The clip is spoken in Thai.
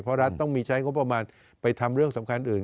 เพราะรัฐต้องมีใช้งบประมาณไปทำเรื่องสำคัญอื่น